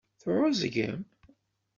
Tɛeẓgem?